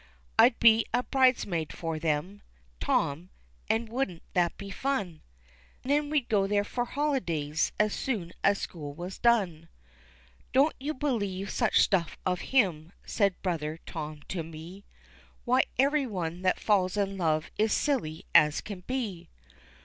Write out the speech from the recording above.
I'd be a bridesmaid for them, Tom, and wouldn't that be fun, Then we'd go there for holidays as soon as school was done." "Don't you believe such stuff of him," said brother Tom to me, "Why, everyone that falls in love is silly as can be!